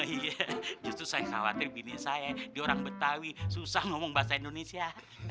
justru saya khawatir diri saya dia orang betawi susah ngomong bahasa indonesia